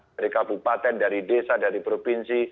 dari kabupaten dari desa dari provinsi